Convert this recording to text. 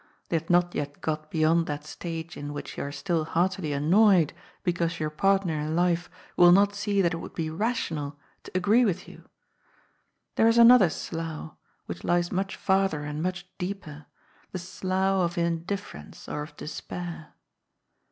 They had not yet got beyond that stage in which you are still heartily annoyed because your partner in life will not see that it would be rational to agree with you. There is another slough, which lies much farther and much deeper, the slough of indifference or of despair.